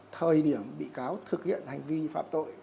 thời điểm bị cáo thực hiện hành vi phạm tội